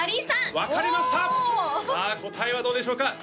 さあ答えはどうでしょうか？